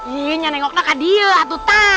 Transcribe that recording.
iya nyenengoknya kan dia atuta